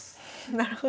なるほど。